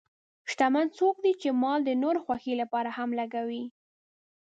شتمن څوک دی چې مال د نورو خوښۍ لپاره هم لګوي.